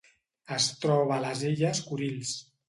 Es troba a les illes Kurils.